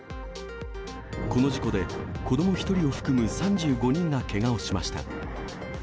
この事故で、子ども１人を含む３５人がけがをしました。